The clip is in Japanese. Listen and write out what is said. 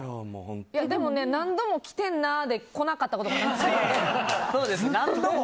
でも、何度も来てるなで来なかったことありますよ。